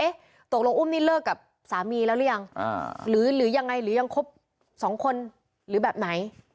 ตกลงอุ้มนี่เลิกกับสามีแล้วหรือยังหรือยังไงหรือยังคบสองคนหรือแบบไหน